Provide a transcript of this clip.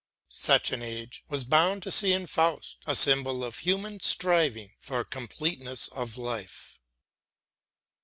Such an age was bound to see in Faust a symbol of human striving for completeness of life.